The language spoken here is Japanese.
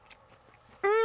うん！